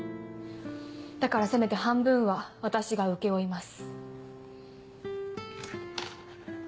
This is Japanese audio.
だからせめて半分は私が請け負います。